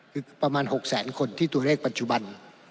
คือประมาณ๖แสนคนที่ตัวเลขปัจจุบัน